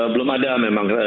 belum ada memang